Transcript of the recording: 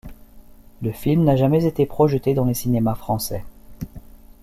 Le film n'a pas été projeté dans les cinémas français.